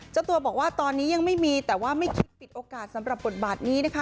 เจ้าตัวบอกว่าตอนนี้ยังไม่มีแต่ว่าไม่คิดปิดโอกาสสำหรับบทบาทนี้นะคะ